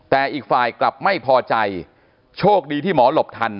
แต่อีกฝ่ายกลับไม่พอใจโชคดีที่หมอหลบทัน